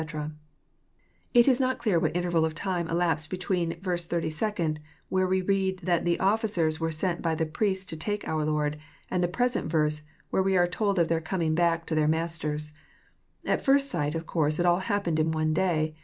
'] It is not clear what interval of time elapsed between verse 82nd, where we read that the offi cers were sent by the priests to take our Lord, and the present verse, where we are told of their coming back to their me ters. — At first sight of course it all happened in one day.